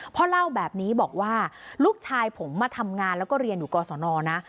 พ่อเล่าแบบนี้บอกว่าลูกชายผมมาทำงานแล้วก็เรียนอยู่กศนนะ